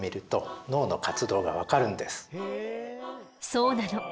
そうなの。